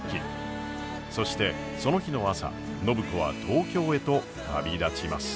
そしてその日の朝暢子は東京へと旅立ちます。